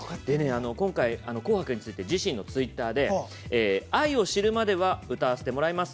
今回、「紅白」について自身のツイッターで「『愛を知るまでは』歌わせてもらいます。